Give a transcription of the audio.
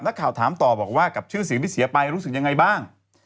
นักข่าวถามต่อบอกว่ากับชื่อเสียงที่เสียไปรู้สึกยังไงบ้าง